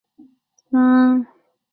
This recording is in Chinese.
洛克威大道车站列车服务。